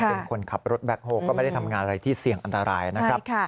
เป็นคนขับรถแบ็คโฮก็ไม่ได้ทำงานอะไรที่เสี่ยงอันตรายนะครับ